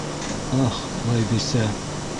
—Аһ, Байбисә!